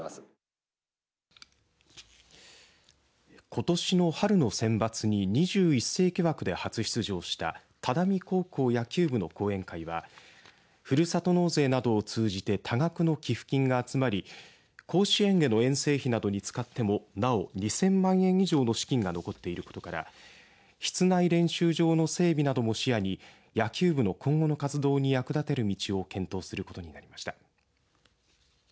ことしの春のセンバツに２１世紀枠で初出場した只見高校野球部の後援会はふるさと納税などを通じて多額の寄付金が集まり甲子園での遠征費などに使ってもなお２０００万円以上の資金が残っていることから室内練習場の整備なども視野に野球部の今後の活動に役立てる道を検討することになりました。